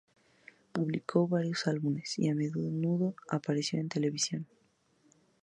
Publicó varios álbumes y a menudo apareció en televisión.